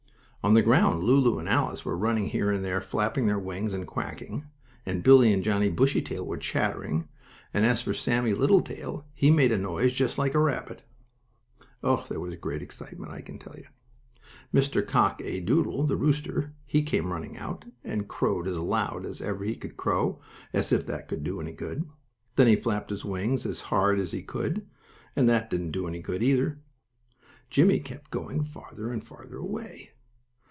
On the ground Lulu and Alice were running here and there, flapping their wings and quacking, and Billie and Johnnie Bushytail were chattering, and as for Sammie Littletail, he made a noise just like a rabbit. Oh, there was great excitement, I can tell you! Mr. Cock A. Doodle, the rooster, he came running out, and he crowed as loud as ever he could crow, as if that could do any good. Then he flapped his wings as hard as he could, and that didn't do any good, either. Jimmie kept going farther and farther away.